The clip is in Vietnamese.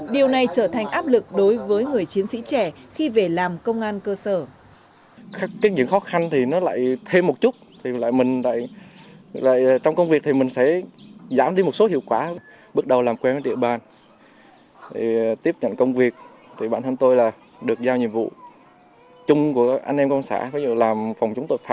điều này trở thành áp lực đối với người chiến sĩ trẻ khi về làm công an cơ sở